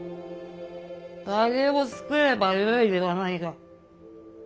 あけを造ればよいではないか。